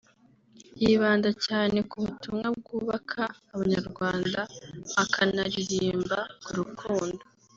yibanda cyane ku butumwa bwubaka abanyarwanda akanaririmba ku rukundo